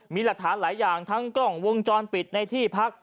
มีหลักฐานหลายอย่างทั้งกล้องวงจรปิดในที่พัก